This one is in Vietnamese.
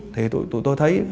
thì tụi tôi thấy